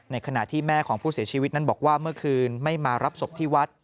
ขณะที่แม่ของผู้เสียชีวิตนั้นบอกว่าเมื่อคืนไม่มารับศพที่วัด